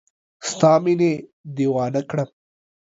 ستا مینې دیوانه کړم